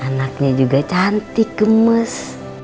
anaknya juga cantik gemes